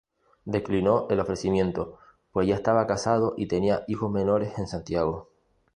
Declinó el ofrecimiento pues ya estaba casado y tenía hijos menores en Santiago.